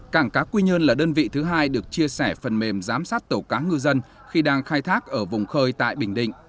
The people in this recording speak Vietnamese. cảng cá quy nhơn là đơn vị thứ hai được chia sẻ phần mềm giám sát tàu cá ngư dân khi đang khai thác ở vùng khơi tại bình định